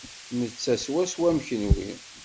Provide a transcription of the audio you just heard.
Netta swaswa am kenwi.